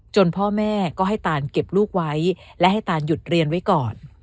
พ่อแม่ก็ให้ตานเก็บลูกไว้และให้ตานหยุดเรียนไว้ก่อน